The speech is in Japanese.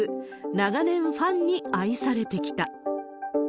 長年ファンに愛されてきた。